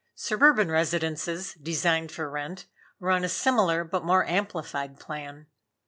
Suburban residences, designed for rent, were on a similar but more amplified plan.